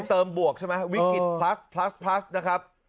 เติมบวกใช่ไหมวิกฤตพลัสพลัสพลัสนะครับ